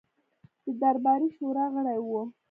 د درباري شورا غړی وو.